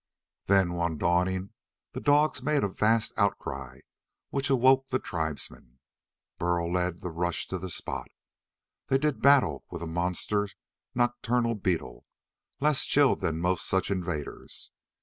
Then, one dawning, the dogs made a vast outcry which awoke the tribesmen. Burl led the rush to the spot. They did battle with a monster nocturnal beetle, less chilled than most such invaders.